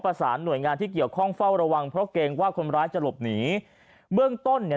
ประสานหน่วยงานที่เกี่ยวข้องเฝ้าระวังเพราะเกรงว่าคนร้ายจะหลบหนีเบื้องต้นเนี่ย